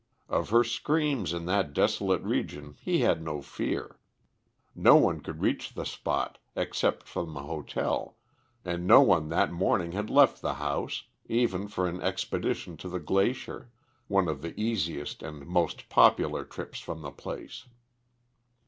Of her screams in that desolate region he had no fear. No one could reach the spot except from the hotel, and no one that morning had left the house, even for an expedition to the glacier one of the easiest and most popular trips from the place.